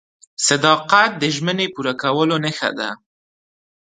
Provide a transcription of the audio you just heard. • صداقت د ژمنې پوره کولو نښه ده.